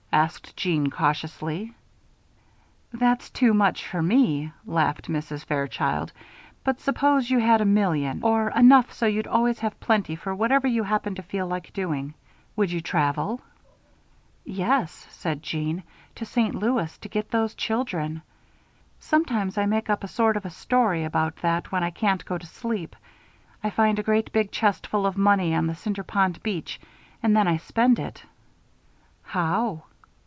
asked Jeanne, cautiously. "That's too much for me," laughed Mrs. Fairchild. "But suppose you had a million or enough so you'd always have plenty for whatever you happened to feel like doing. Would you travel?" "Yes," said Jeanne, "to St. Louis, to get those children. Sometimes I make up a sort of a story about that when I can't go to sleep. I find a great big chest full of money on the Cinder Pond beach, and then I spend it." "How?"